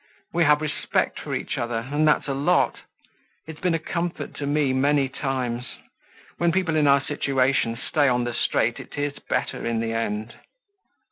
We have respect for each other and that's a lot. It's been a comfort to me many times. When people in our situation stay on the straight, it is better in the end."